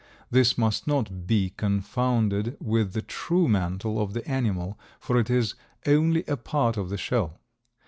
This must not be confounded with the true mantle of the animal, for it is only a part of the shell.